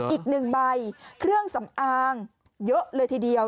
อีกหนึ่งใบเครื่องสำอางเยอะเลยทีเดียว